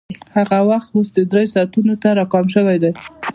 هغه وخت اوس درېیو ساعتونو ته راکم شوی دی